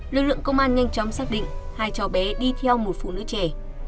lực lượng công an nhanh chóng xác định hai cháu bé đi theo một phụ nữ trẻ